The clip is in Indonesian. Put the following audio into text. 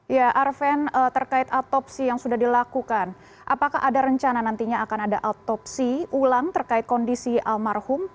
ya arven terkait autopsi yang sudah dilakukan apakah ada rencana nantinya akan ada autopsi ulang terkait kondisi almarhum